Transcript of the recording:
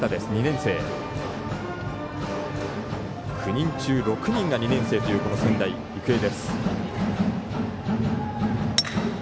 ９人中６人が２年生という仙台育英。